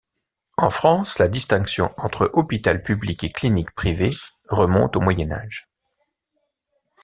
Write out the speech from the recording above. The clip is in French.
En France, la distinction entre hôpital public et clinique privée remonte au Moyen Âge.